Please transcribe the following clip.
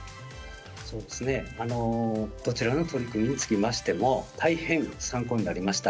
どちらの取り組みにつきましても大変、参考になりました。